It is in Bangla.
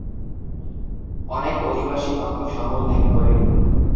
অনেক অধিবাসী তখন শহর ত্যাগ করেন।